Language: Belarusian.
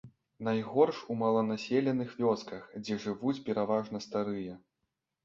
Найгорш у маланаселеных вёсках, дзе жывуць пераважна старыя.